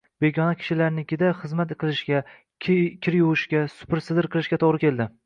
Begona kishilarnikida xizmat qilishga, kir yuvishga, supir-sidir qilishga to`g`ri keldi